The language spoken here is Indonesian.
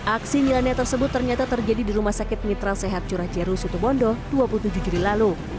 aksi milenia tersebut ternyata terjadi di rumah sakit mitral sehat curah ceru situ bondo dua puluh tujuh juri lalu